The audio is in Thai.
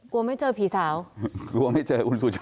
กลัวไม่เจอผีสาวอ๋อโอเค